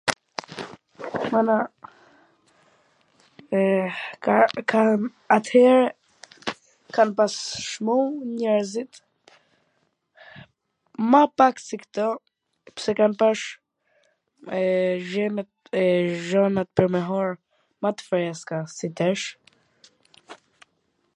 Mana, eee, ka ...kan, atheere kan pas Cmu njerzit ma pak se kto, pse kan pas eee gjona zhona pwr me hangr ma t freskta se tash...